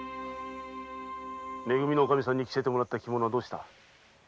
め組のおかみさんに着せてもらった着物はどうした？